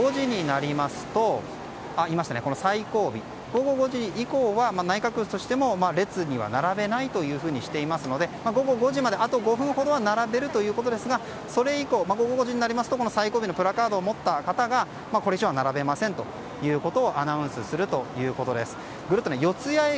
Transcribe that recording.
午後５時以降は内閣府としても列には並べないとしていますので午後５時まで、あと５分ほどは並べるということですがそれ以降、午後５時になりますとプラカードを持った方がこれ以上はならべませんとアナウンスするということです。